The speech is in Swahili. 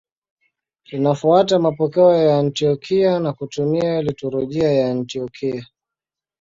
Linafuata mapokeo ya Antiokia na kutumia liturujia ya Antiokia.